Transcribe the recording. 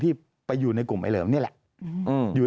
แต่ได้ยินจากคนอื่นแต่ได้ยินจากคนอื่น